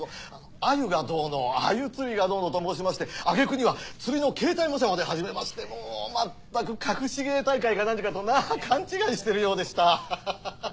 アユがどうのアユ釣りがどうのと申しましてあげくには釣りの形態模写まで始めましてもうまったく隠し芸大会か何かと勘違いしているようでした。